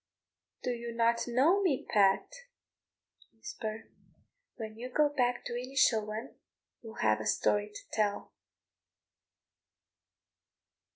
"Do you not know me, Pat?" Whisper "When you go back to Innishowen, you'll have a story to tell!"